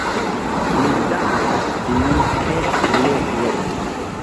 Mi dankas vin, ke vi ne iris!